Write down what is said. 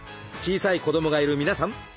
小さい子どもがいる皆さん